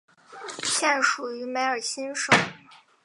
现属于梅尔辛省。